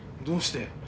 どうして？